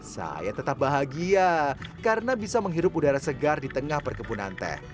saya tetap bahagia karena bisa menghirup udara segar di tengah perkebunan teh